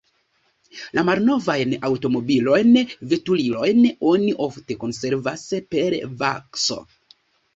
La malnovajn aŭtomobilojn, veturilojn oni ofte konservas per vakso.